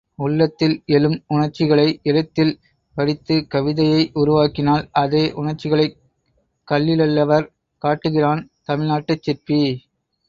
உள்ளத்தில் எழும் உணர்ச்சிகளை எழுத்தில் வடித்து கவிதையை உருவாக்கினால், அதே உணர்ச்சிகளைக் கல்லிலல்லவர் காட்டுகிறான் தமிழ்நாட்டுச் சிற்பி.